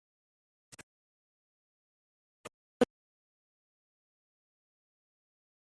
ډېر هوښیار وو په خپل عقل خامتماوو